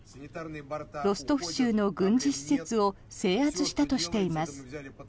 ロストフ州の軍事施設を制圧したとしています。